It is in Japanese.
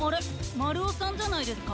まるおさんじゃないですか？